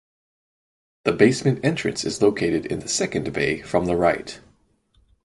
The basement entrance is located in the second bay from the right.